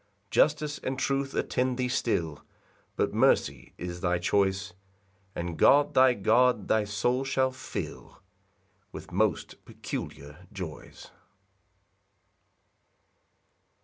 5 Justice and truth attend thee still But mercy is thy choice; And God, thy God, thy soul shall fill With most peculiar joys.